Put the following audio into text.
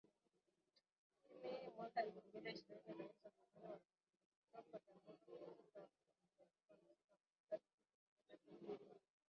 Lakini mwaka elfu mbili ishirini Rais wa zamani Marekani Donald Trump aliamuru kiasi cha wanajeshi mia saba hamsini wa Marekani nchini Somalia kuondoka